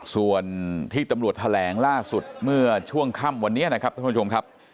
ส่วนที่ตำรวจแถลงล่าสุดเมื่อช่วงค่ำวันนี้นะครับท่านผู้ชมครับ